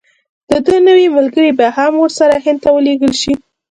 د ده نور ملګري به هم ورسره هند ته ولېږل شي.